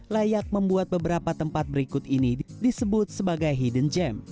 layak membuat beberapa tempat berikut ini disebut sebagai hidden gem